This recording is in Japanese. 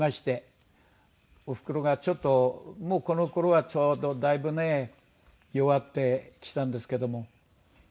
おふくろがちょっとこの頃はちょうどだいぶね弱ってきてたんですけども。